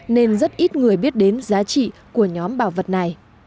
nên rất ít người biết đến giá trị của nhóm bảo vật này